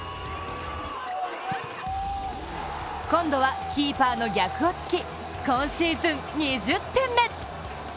今度はキーパーの逆を突き今シーズン２０点目。